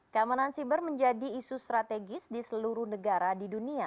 keamanan siber menjadi isu strategis di seluruh negara di dunia